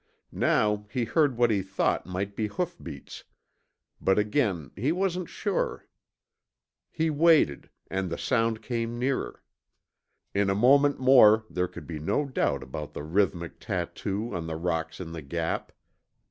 Now he heard what he thought might be hoofbeats, but again he wasn't sure. He waited, and the sound came nearer. In a moment more there could be no doubt about the rhythmic tattoo on the rocks in the Gap.